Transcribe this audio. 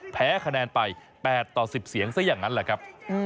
แพ้คะแนนไป๘ต่อ๑๐เสียงซะอย่างนั้นแหละครับ